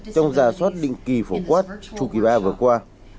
trong giả soát định kỳ phổ quát chu kỳ ba vừa qua